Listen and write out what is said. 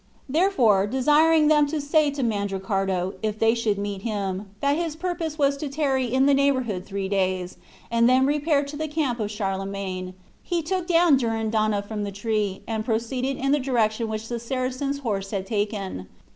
Therefore, desiring them to say to Mandricardo, if they should meet him, that his purpose was to tarry in the neighborhood three days, and then repair to the camp of Charlemagne, he took down Durindana from the tree, and proceeded in the direction which the Saracen's horse had taken.